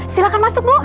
silahkan masuk bu